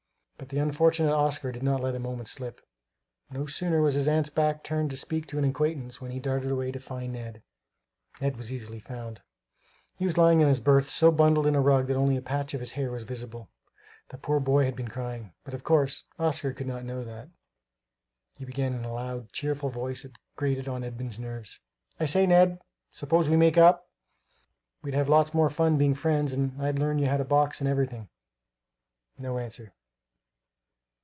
But the unfortunate Oscar did not let a moment slip. No sooner was his aunt's back turned to speak to an acquaintance than he darted away "to find Ned." Ned was easily found. He was lying in his berth so bundled up in a rug that only a patch of his hair was visible. The poor boy had been crying; but of course Oscar could not know that. He began in a loud, cheerful voice that grated on Edmund's nerves. "I say, Ned, s'pose we make up! we'd have lots more fun being friends; and I'll learn you how to box and everything." No answer.